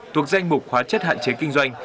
tuộc danh mục khóa chất hạn chế kinh doanh